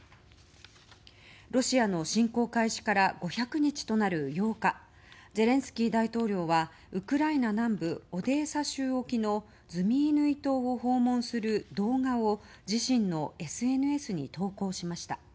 ロシアの侵攻開始から５００日となる８日ゼレンスキー大統領はウクライナ南部オデーサ州沖のズミイヌイ島を訪問する動画を自身のＳＮＳに投稿しました。